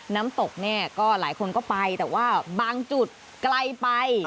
น้ำตกเนี่ยก็หลายคนก็ไปแต่ว่าบางจุดไกลไป